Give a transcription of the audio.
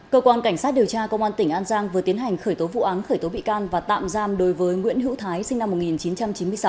cơ quan cảnh sát điều tra công an tỉnh an giang vừa tiến hành khởi tố vụ án khởi tố bị can và tạm giam đối với nguyễn hữu thái sinh năm một nghìn chín trăm chín mươi sáu